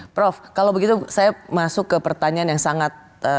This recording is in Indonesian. prof kalau begitu saya masuk ke pertanyaan yang sangat